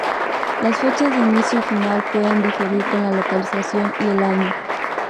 Las fechas de inicio y final pueden diferir con la localización y el año.